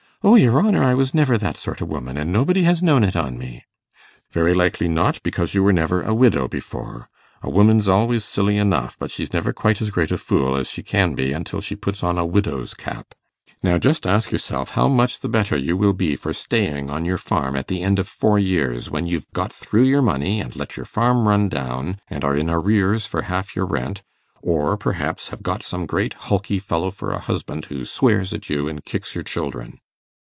'O, your honour, I was never that sort o' woman, an' nobody has known it on me.' 'Very likely not, because you were never a widow before. A woman's always silly enough, but she's never quite as great a fool as she can be until she puts on a widow's cap. Now, just ask yourself how much the better you will be for staying on your farm at the end of four years, when you've got through your money, and let your farm run down, and are in arrears for half your rent; or, perhaps, have got some great hulky fellow for a husband, who swears at you and kicks your children.